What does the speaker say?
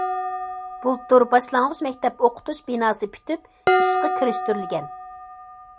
بۇلتۇر باشلانغۇچ مەكتەپ ئوقۇتۇش بىناسى پۈتۈپ ئىشقا كىرىشتۈرۈلگەن.